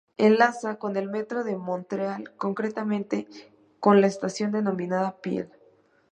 Enlaza con el metro de Montreal, concretamente con la estación denominada Peel.